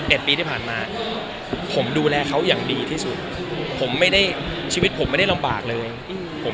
ปีที่ผ่านมาผมดูแลเขาอย่างดีที่สุดผมไม่ได้ชีวิตผมไม่ได้ลำบากเลยอืมผม